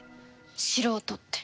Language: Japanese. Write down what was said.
素人って。